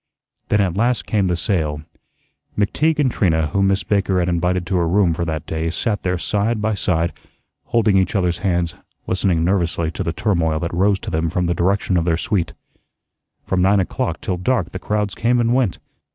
Then at last came the sale. McTeague and Trina, whom Miss Baker had invited to her room for that day, sat there side by side, holding each other's hands, listening nervously to the turmoil that rose to them from the direction of their suite. From nine o'clock till dark the crowds came and went.